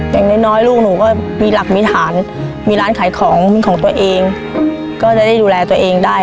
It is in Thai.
อย่างน้อยลูกหนูก็มีหลักมีฐานมีร้านขายของมีของตัวเองก็จะได้ดูแลตัวเองได้